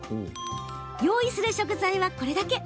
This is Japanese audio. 用意する食材はこれだけ。